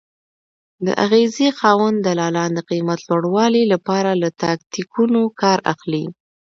د اغېزې خاوند دلالان د قیمت لوړوالي لپاره له تاکتیکونو کار اخلي.